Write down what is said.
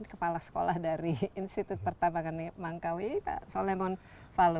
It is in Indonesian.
kepala sekolah dari institut pertambangan nemangkawi pak solemon falu